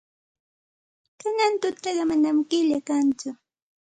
Kanan tutaqa manam killa kanchu.